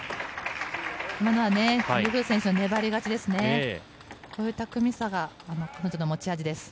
今のはユー・フー選手の粘り勝ちですね。